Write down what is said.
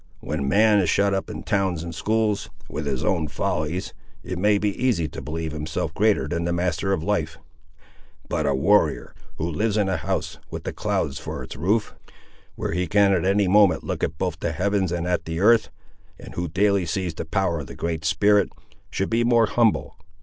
When man is shut up in towns and schools, with his own follies, it may be easy to believe himself greater than the Master of Life; but a warrior, who lives in a house with the clouds for its roof, where he can at any moment look both at the heavens and at the earth, and who daily sees the power of the Great Spirit, should be more humble.